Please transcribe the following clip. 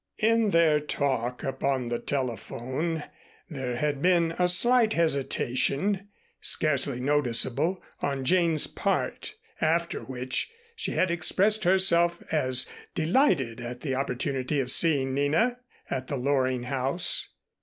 In their talk upon the telephone there had been a slight hesitation, scarcely noticeable, on Jane's part, after which, she had expressed herself as delighted at the opportunity of seeing Nina at the Loring house.